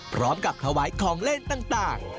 พร้อมกับถวายของเล่นต่าง